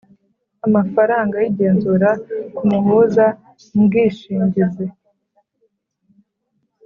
Amafaranga y’igenzura ku muhuza mbwishingizi